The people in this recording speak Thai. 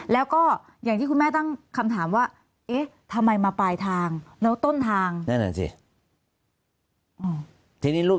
แล้วก็อย่างที่คุณแม่ตั้งคำถามว่าทำไมมาไปทางแล้วต้นทาง